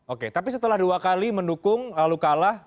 oke tapi setelah dua kali mendukung lalu kalah